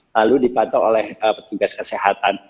lalu dipantau oleh petugas kesehatan